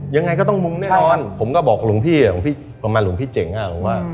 ยังไงก็ต้องมุงแน่นอนผมก็บอกหลวงพี่หลวงพี่ประมาณหลวงพี่เจ๋งอ่ะว่า